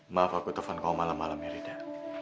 maaf aku telpon kau malam malam ya rida